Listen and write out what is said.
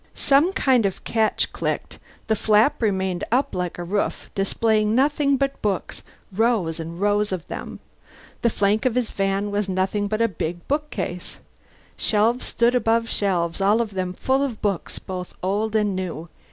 Some kind of catch clicked, the flap remained up like a roof, displaying nothing but books rows and rows of them. The flank of his van was nothing but a big bookcase. Shelves stood above shelves, all of them full of books both old and new.